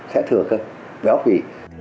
sẽ thừa cơ béo phỉ